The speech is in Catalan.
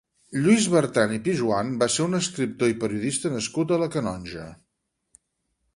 Lluís Bertran i Pijoan va ser un escriptor i periodista nascut a la Canonja.